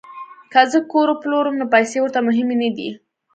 که زه کور وپلورم نو پیسې ورته مهمې نه دي